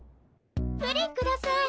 プリンください。